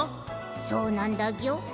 そうなんだギョ。